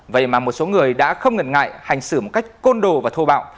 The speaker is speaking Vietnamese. vậy mà một số người đã không ngần ngại hành xử một cách côn đồ và thô bạo